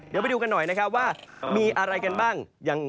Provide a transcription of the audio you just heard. เดี๋ยวไปดูกันหน่อยนะครับว่ามีอะไรกันบ้าง